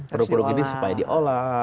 produk produk ini supaya diolah